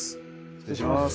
失礼します